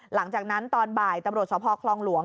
หลังจากนั้นตอนบ่ายตำรวจสภคลองหลวง